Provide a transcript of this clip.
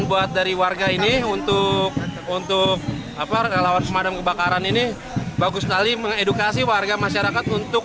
untuk untuk apa relawan pemadam kebakaran ini bagus sekali mengedukasi warga masyarakat untuk